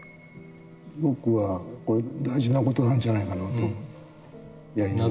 僕はこれ大事な事なんじゃないかなとやりながら。